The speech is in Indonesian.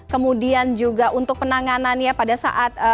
kemudian juga untuk penanganannya pada saat